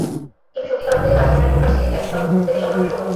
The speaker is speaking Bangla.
কিন্তু সত্যিকার অর্থে তাঁর জীবনের মূল কাজটি তখন থেকে সবেমাত্র শুরু হয়।